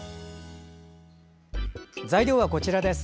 材料はこちらです。